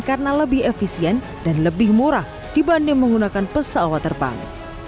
karena lebih efisien dan lebih murah dibanding menggunakan pesawat terbang